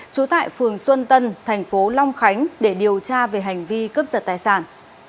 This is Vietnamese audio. trú tại phường xuân tân tp long khánh để điều tra về hành vi cướp giật tài sản